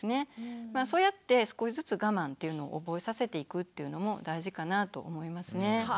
そうやって少しずつ我慢っていうのを覚えさせていくっていうのも大事かなと思いますね。